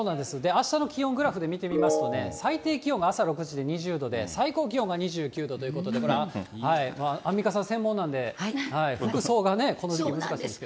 あしたの気温、グラフで見てみますと、最低気温が朝６時で２０度で、最高気温が２９度ということで、これはアンミカさん、専門なんで、服装がね、この時期難しいんです